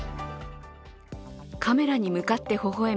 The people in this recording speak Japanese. カメラに向かってほほ笑む